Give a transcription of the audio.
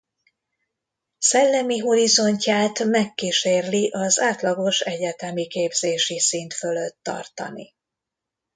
Szellemi horizontját megkísérli az átlagos egyetemi képzési szint fölött tartani.